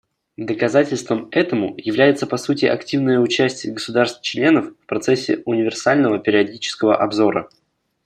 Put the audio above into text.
Доказательством этому является, по сути, активное участие государств-членов в процессе универсального периодического обзора.